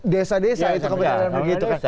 desa desa itu kebetulan begitu